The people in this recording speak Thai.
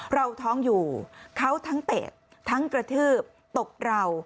เราท้องอยู่เขาทั้งเตะทั้งกระทืบตบเรา